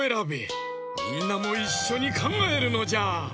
みんなもいっしょにかんがえるのじゃ！